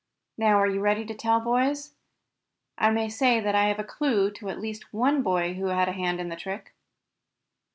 Now are you ready to tell, boys? I may say that I have a clue to at least one boy who had a hand in the trick."